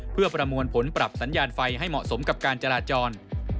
ปรับสัญญาณไฟให้เหมาะสมกับการจราจร